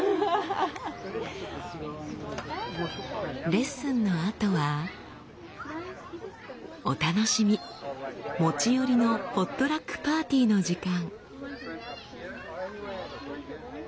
レッスンのあとはお楽しみ持ち寄りのポットラックパーティーの時間。